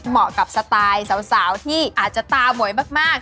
เหมาะกับสไตล์สาวที่อาจจะตาหมวยมาก